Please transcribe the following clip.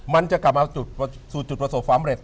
มันจะกลับมาสู่จุดประสบความเร็จ